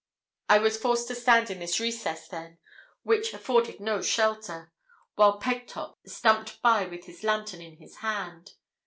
I was forced to stand in this recess, then, which afforded no shelter, while Pegtop stumped by with his lantern in his hand.